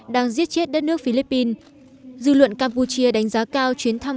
đang giết chết đất nước philippines dư luận campuchia đánh giá cao chuyến thăm